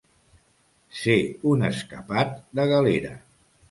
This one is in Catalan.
Ser un escapat de galera.